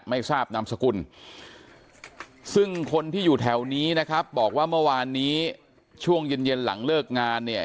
ไม่ทราบนามสกุลซึ่งคนที่อยู่แถวนี้นะครับบอกว่าเมื่อวานนี้ช่วงเย็นเย็นหลังเลิกงานเนี่ย